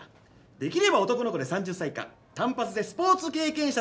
できれば男の子で３０歳以下短髪でスポーツ経験者ならなお良し。